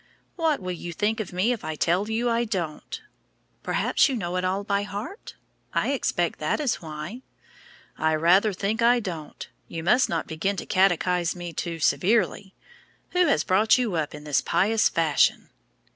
"What will you think of me if I tell you I don't?" "Perhaps you know it all by heart? I expect that is why." "I rather think I don't. You must not begin to catechise me too severely. Who has brought you up in this pious fashion?"